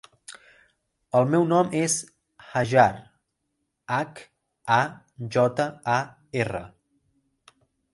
El meu nom és Hajar: hac, a, jota, a, erra.